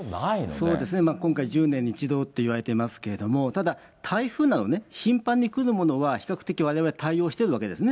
そうですね、今回、１０年に一度っていわれてますけど、ただ、台風などね、頻繁に来るものは、比較的われわれ対応してるわけですね。